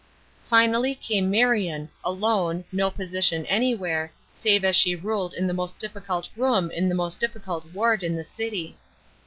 Finally came Marion, alone, no position any where, save as she ruled in the most difficult room in the most difficult ward in the city.